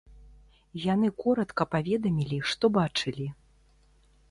Яны коратка паведамілі, што бачылі.